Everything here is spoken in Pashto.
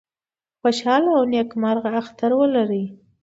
خوشاله او نیکمرغه اختر ولرئ